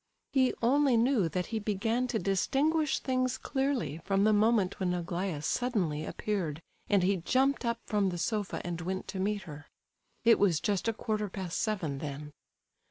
He only knew that he began to distinguish things clearly from the moment when Aglaya suddenly appeared, and he jumped up from the sofa and went to meet her. It was just a quarter past seven then.